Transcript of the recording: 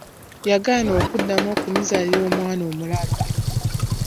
Yagaana okuddamu okumuzaalira omwana omulala.